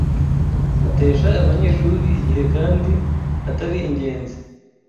atesha abanyeshuri igihe kandi atari ingenzi